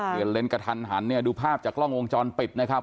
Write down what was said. เปลี่ยนเลนส์กระทันหันเนี่ยดูภาพจากกล้องวงจรปิดนะครับ